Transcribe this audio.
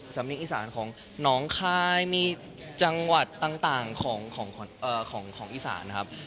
มิกอีสานของน้องคายมีจังหวัดต่างของอีสานนะครับ